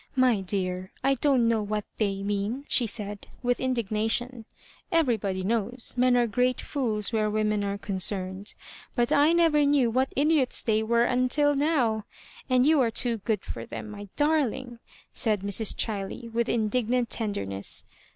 " My deal, I don't know what They mean," she said, with indignation ;everybody knows men are great fools where women are concerned — ^but I never knew what idiots they were till now ; and you are too good for them, my darling I " said Mrs. Chiley, with indignant tenderness.